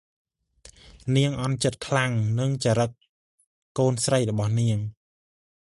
នាងអន់ចិត្តខ្លាំងនិងចរិតកូនស្រីរបស់នាង ។